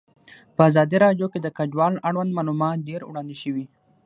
په ازادي راډیو کې د کډوال اړوند معلومات ډېر وړاندې شوي.